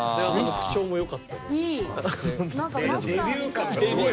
何かマスターみたい。